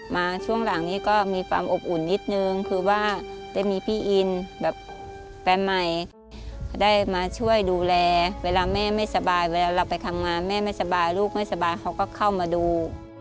มาช่วงหลังนี้ก็มีความอบอุ่นนิดนึงคือว่าได้มีพี่อินแบบแฟนใหม่ได้มาช่วยดูแลเวลาแม่ไม่สบายเวลาเราไปทำงานแม่ไม่สบายลูกไม่สบายเขาก็เข้ามาดู